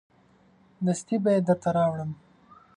دستي به یې درته راوړم.